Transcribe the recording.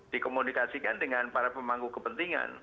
dikomunikasikan dengan para pemangku kepentingan